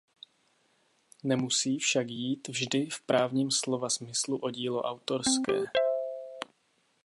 Nemusí však jít vždy v právním slova smyslu o dílo autorské.